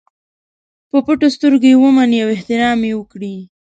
په پټو سترګو یې ومني او احترام یې وکړي.